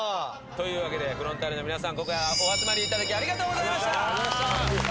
というわけでフロンターレの皆さんお集まりいただきありがとうございました。